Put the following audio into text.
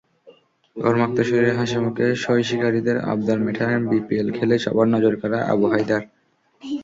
ঘর্মাক্ত শরীরে হাসিমুখে সইশিকারিদের আবদার মেটালেন বিপিএল খেলে সবার নজরকাড়া আবু হায়দার।